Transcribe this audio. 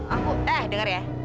aku eh dengar ya